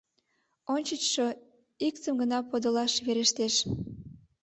Ончычшо иктым гына подылаш верештеш.